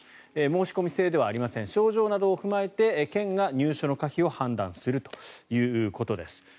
申込制ではありません症状などを踏まえて県が入所の可否を判断するということです。